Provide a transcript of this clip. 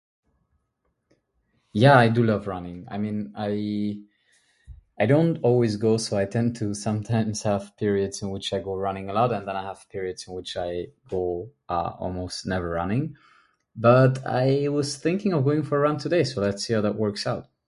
Yeah, I do love running. I mean, I...I don't always go so I tend to sometimes have periods in which I go running a lot, and then I have periods in which I go, uhh, almost never running, but I was thinking of going for a run today, so let's see how that works out!